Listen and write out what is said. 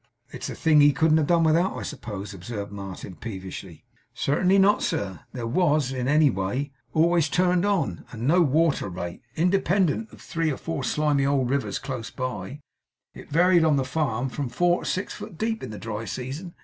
'It's a thing he couldn't have done without, I suppose,' observed Martin, peevishly. 'Certainly not, sir. There it was, any way; always turned on, and no water rate. Independent of three or four slimy old rivers close by, it varied on the farm from four to six foot deep in the dry season.